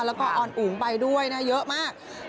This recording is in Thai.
แล้วก็ออนอุ๋งไปด้วยนะเยอะมาก